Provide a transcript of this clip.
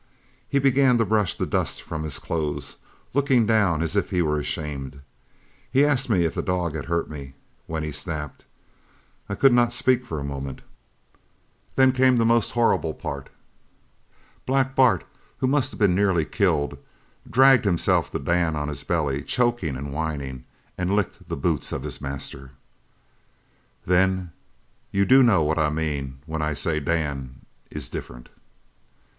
He began to brush the dust from his clothes, looking down as if he were ashamed. He asked me if the dog had hurt me when he snapped. I could not speak for a moment. Then came the most horrible part. Black Bart, who must have been nearly killed, dragged himself to Dan on his belly, choking and whining, and licked the boots of his master!" "Then you do know what I mean when I say Dan is different?"